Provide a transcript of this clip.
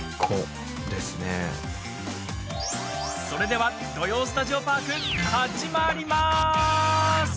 それでは「土曜スタジオパーク」始まりまーす！